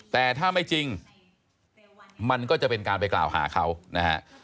แต่ถ้าไม่จริงมันก็จะเป็นการไปกล่าวหาเขานะฮะ